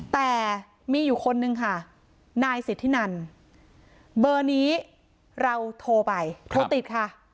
แต่มีอยู่คนนึงค่ะนายสิทธินันเบอร์นี้เราโทรไปโทรติดค่ะ